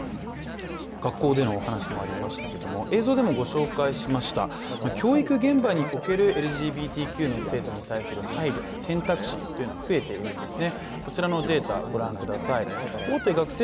学校でのお話もありましたけれども映像でもご紹介しました教育現場におけるＬＧＢＴＱに対する生徒の選択肢というのは増えているんですね。